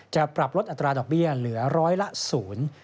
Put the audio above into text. จะปรับลดอัตราดอกเบี้ยเหลือร้อยละศูนย์